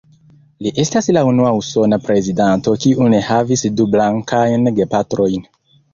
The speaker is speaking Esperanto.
Li estas la unua usona prezidanto kiu ne havis du blankajn gepatrojn.